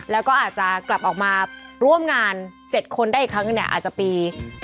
แล้วก็อาจจะกลับออกมาร่วมงาน๗คนได้อีกครั้งหนึ่งเนี่ยอาจจะปี